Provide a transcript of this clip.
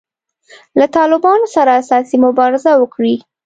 له طالبانو سره اساسي مبارزه وکړي.